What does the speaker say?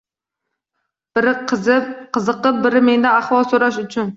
Biri qiziqib, biri mendan ahvol so‘rash uchun.